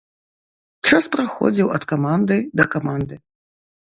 Час праходзіў ад каманды да каманды.